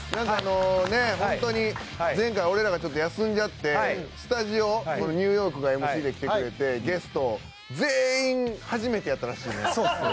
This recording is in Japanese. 前回、俺らが休んじゃってスタジオニューヨークがＭＣで来てくれてゲスト全員初めてやったらしいですね。